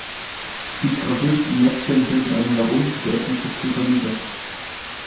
Die gravierten Näpfchen bilden eine nach unten geöffnete Pyramide.